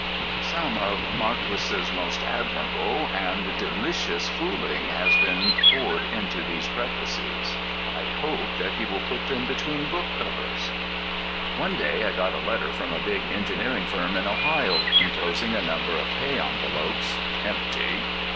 Some of Marquis's most admirable and delicious fooling has been poured into these Prefaces: I hope that he will put them between book covers. One day I got a letter from a big engineering firm in Ohio, enclosing a number of pay envelopes (empty).